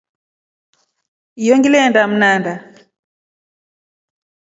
Iyo ngilenda mndana.